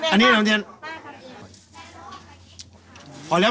อันนี้หน่อขอเต้อน